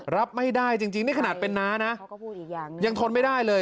รับไม่ได้จริงนี่ขนาดเป็นน้านะยังทนไม่ได้เลย